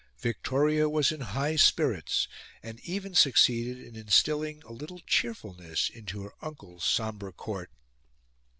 Victoria was in high spirits, and even succeeded in instilling a little cheerfulness into her uncle's sombre Court.